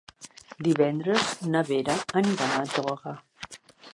Divendres na Vera anirà a Toga.